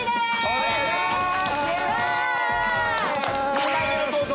２回目の登場